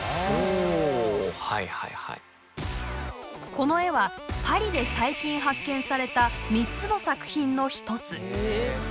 この絵はパリで最近発見された３つの作品の１つ。